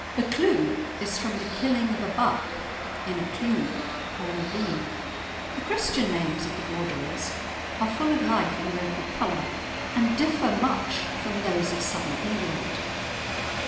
"Buccleuch" is from the killing of a buck in a cleugh or ravine. The Christian names of the Borderers are full of life and local colour, and differ much from those of Southern England.